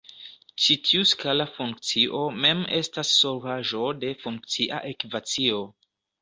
Ĉi tiu skala funkcio mem estas solvaĵo de funkcia ekvacio.